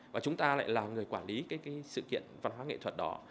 và chúng ta lại là người quản lý sự kiện văn hóa nghệ thuật đỏ